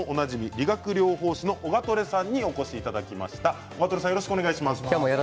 理学療法士のオガトレさんにお越しいただきました。